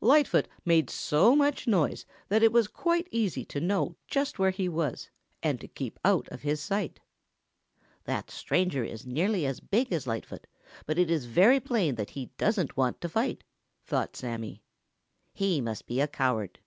Lightfoot made so much noise that it was quite easy to know just where he was and to keep out of his sight. "That stranger is nearly as big as Lightfoot, but it is very plain that he doesn't want to fight," thought Sammy. "He must be a coward."